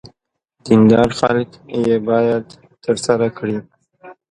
دیندار خلک یې باید ترسره کړي.